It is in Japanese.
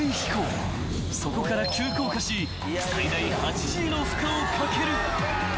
［そこから急降下し最大８Ｇの負荷をかける］